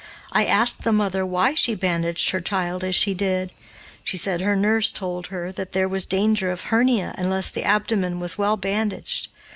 I asked the mother why she bandaged her child as she did. She said her nurse told her that there was danger of hernia unless the abdomen was well bandaged.